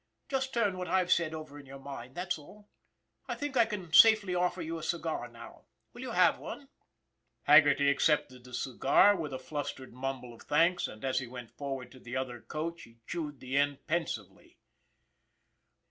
Just turn what I've said over in your mind, that's all. I think I can safely offer you a cigar now. Will you have one ?" Haggerty accepted the cigar with a flustered mumble of thanks, and as he went forward to the other coach he chewed the end pensively.